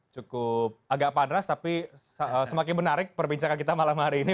cukup agak panas tapi semakin menarik perbincangan kita malam hari ini